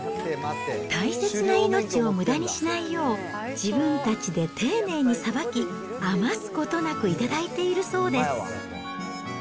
大切な命をむだにしないよう、自分たちで丁寧にさばき、余すことなく頂いているそうです。